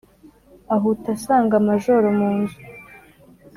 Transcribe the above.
Ahuta asanga Majoro mu nzu,